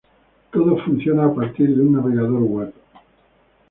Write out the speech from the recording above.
Todo funciona a partir de un navegador web.